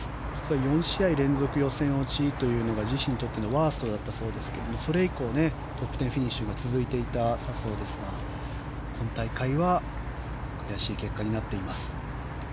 ４試合連続予選落ちというのが自身にとってのワーストだったそうですがそれ以降トップ１０フィニッシュが続いていた笹生ですが今大会は悔しい結果になっています。